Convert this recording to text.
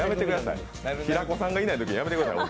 平子さんがいないとき、やめてくださいよ。